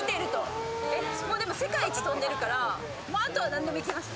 世界一飛んでるからあとは何でもいけますね。